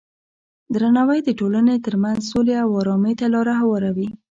درناوی د ټولنې ترمنځ سولې او ارامۍ ته لاره هواروي.